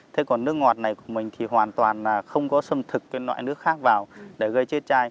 thế còn nước ngọt này của mình thì hoàn toàn là không có xâm thực cái loại nước khác vào để gây chết chai